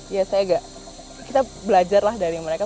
ya saya agak kita belajar lah dari mereka